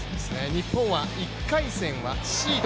日本は１回戦は、シード。